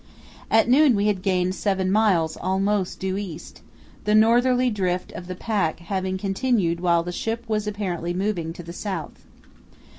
At noon we had gained seven miles almost due east, the northerly drift of the pack having continued while the ship was apparently moving to the south.